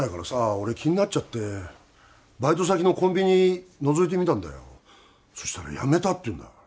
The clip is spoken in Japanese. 俺気になっちゃってバイト先のコンビニのぞいてみたんだよそしたら「辞めた」って言うんだ